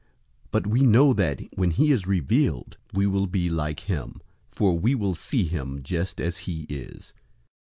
But we know that, when he is revealed, we will be like him; for we will see him just as he is.